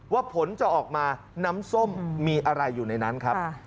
ว่าผลจะออกมาน้ำส้มมีอะไรอยู่ในนั้นครับ